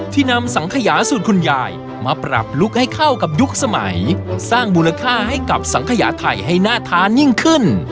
นำสังขยาสูตรคุณยายมาปรับลุคให้เข้ากับยุคสมัยสร้างมูลค่าให้กับสังขยาไทยให้น่าทานยิ่งขึ้น